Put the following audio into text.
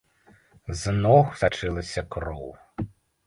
З ног сачылася кроў.